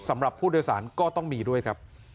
สำหรับผู้โดยสารก็ต้องมีด้วยครับ